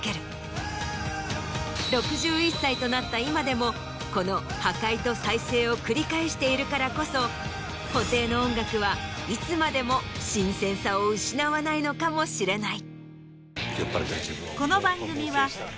６１歳となった今でもこの破壊と再生を繰り返しているからこそ布袋の音楽はいつまでも新鮮さを失わないのかもしれない。